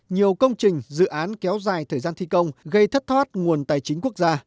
nhiều công trình dự án kéo dài thời gian thi công gây thất thoát nguồn tài chính quốc gia